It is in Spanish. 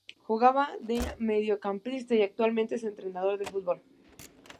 Jugaba de mediocampista y actualmente es entrenador de fútbol.